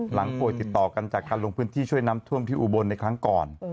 ป่วยติดต่อกันจากการลงพื้นที่ช่วยน้ำท่วมที่อุบลในครั้งก่อน